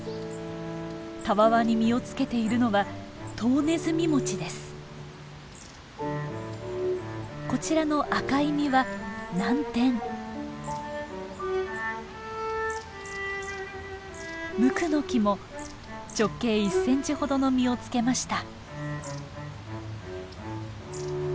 たわわに実をつけているのはこちらの赤い実はムクノキも直径１センチほどの実をつけました。